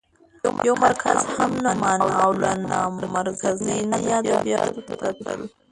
يو مرکز هم نه مانه او له نامرکزۍ نه يې ادبياتو ته کتل؛